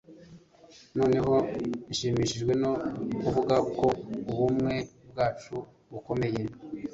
noneho nshimishijwe no kuvuga ko ubumwe bwacu bukomeye